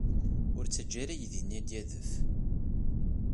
Ur ttaǧǧa ara aydi-nni ad d-yadef.